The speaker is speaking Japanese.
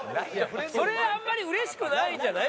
それあんまり嬉しくないんじゃない？